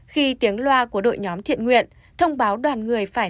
khi tiếng loa của đội nhóm thiện nguyện thông báo đoàn người phải